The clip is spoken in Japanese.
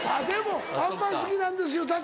でも「あんパン好きなんですよ」